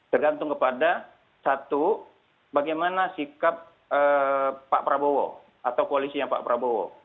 tergantung kepada satu bagaimana sikap pak prabowo atau koalisinya pak prabowo